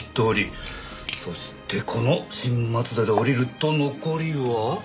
そしてこの新松戸で降りると残りは。